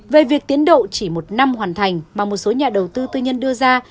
về việc tiến độ chỉ một năm hoàn thành mà một số nhà đầu tư tư nhân đưa ra